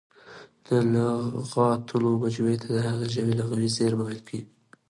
د لغاتونو مجموعې ته د هغې ژبي لغوي زېرمه ویل کیږي.